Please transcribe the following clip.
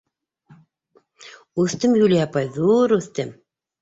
— Үҫтем, Юлия апай, ҙур үҫтем.